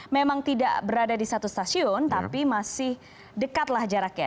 memang tidak berada di satu stasiun tapi masih dekatlah jaraknya